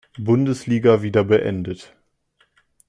Bundesliga wieder beendet.